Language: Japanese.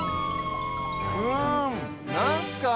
うんなんすかこれ？